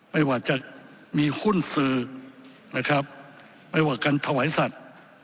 ไม่ว่าจะมีหุ้นสื่อนะครับไม่ว่าการถวายสัตว์